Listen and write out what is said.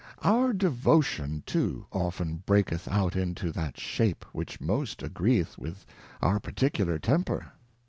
Our Devotion too often breaketh out into that Shape which most agreeth with our particular Temper.